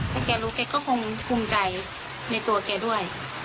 ถ้าแกรู้แกก็คงภูมิใจในตัวแกด้วย